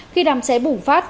khi đám cháy bùng phát